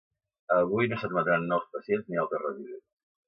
Avui no s'admeten nous pacients ni altres residents.